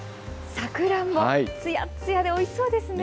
サクランボ、つやつやでおいしそうですね。